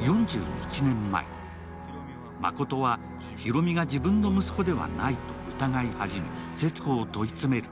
４１年前、誠は広見が自分の息子ではないと疑いはじめ勢津子を問い詰める。